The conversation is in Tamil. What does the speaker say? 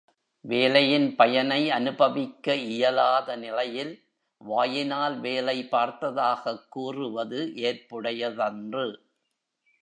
வேலையின் பயனை அனுபவிக்க இயலாத நிலையில் வாயினால் வேலை பார்த்ததாகக் கூறுவது ஏற்புடையதன்று.